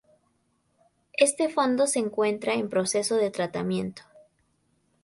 Este fondo se encuentra en proceso de tratamiento.